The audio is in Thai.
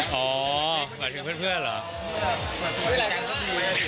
อ๋อหมายถึงเพื่อนเหรอ